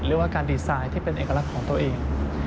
หรือว่าการดีไซน์ที่เป็นเอกลักษณ์ของตัวเอง